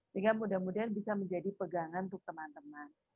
sehingga mudah mudahan bisa menjadi pegangan untuk teman teman